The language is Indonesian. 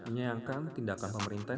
menyayangkan tindakan pemerintah